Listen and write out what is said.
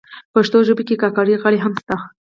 پښتو ژبه کي کاکړۍ غاړي هم سته.